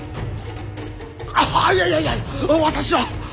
いやいやいや私は。